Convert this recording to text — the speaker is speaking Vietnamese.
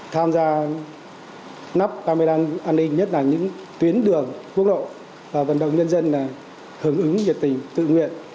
tham gia nắp camera an ninh nhất là những tuyến đường quốc độ vận động nhân dân hứng ứng nhiệt tình tự nguyện